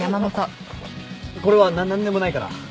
これはなっ何でもないから。